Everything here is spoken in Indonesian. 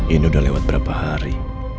ini udah lewat berapa hari